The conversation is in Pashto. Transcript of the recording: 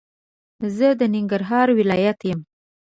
زه د ننګرهار ولايت يم